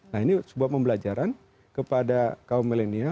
nah ini sebuah pembelajaran kepada kaum milenial